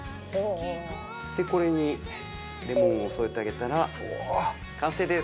でこれにレモンを添えてあげたら完成です。